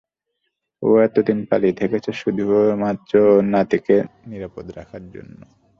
ও এতদিন পালিয়ে থেকেছে শুধু ওর নাতিকে নিরাপদে রাখার জন্য।